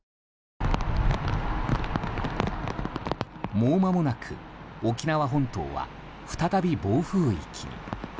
もうまもなく沖縄本島は再び暴風域に。